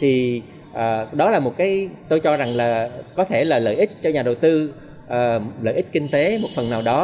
thì đó là một cái tôi cho rằng là có thể là lợi ích cho nhà đầu tư lợi ích kinh tế một phần nào đó